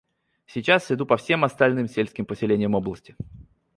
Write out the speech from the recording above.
Сейчас иду по всем остальным сельским поселениям области.